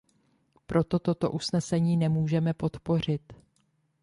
Proto toto usnesení nemůžeme podpořit.